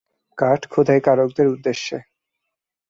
কাঠ খোদাইকারকদের উদ্দেশ্যে।